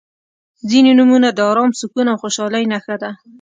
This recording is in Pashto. • ځینې نومونه د ارام، سکون او خوشحالۍ نښه ده.